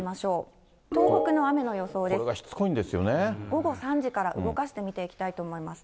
午後３時から動かして見ていきたいと思います。